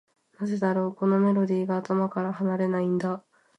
なぜだろう、このメロディーが頭から離れないんだ。